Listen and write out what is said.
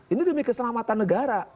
ini demi keselamatan negara